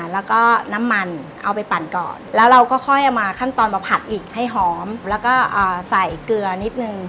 แล้วก็น้ำมันเอาไปปั่นก่อนแล้วเราก็ค่อยเอามาขั้นตอนมาผัดอีกให้หอมแล้วก็ใส่เกลือนิดนึง